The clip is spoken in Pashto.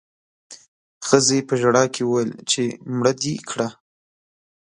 ښځې په ژړا کې وويل چې مړه دې کړه